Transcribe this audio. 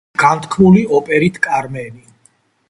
განთქმული ოპერით „კარმენი“.